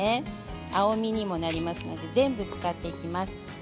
青みにもなりますので全部使っていきます。